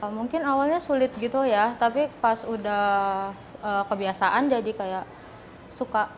mungkin awalnya sulit gitu ya tapi pas udah kebiasaan jadi kayak suka